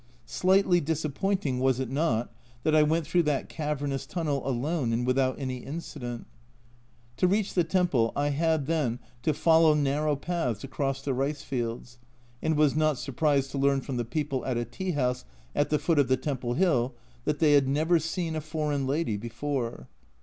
Slightly disappointing, was it not, that I went through that cavernous tunnel alone and without any incident? To reach the temple I had then to follow narrow paths across the rice fields, and was not surprised to learn from the people at a tea house at the foot of the temple hill that they had never seen a foreign lady before.